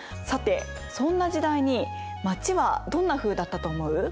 さてそんな時代に町はどんなふうだったと思う？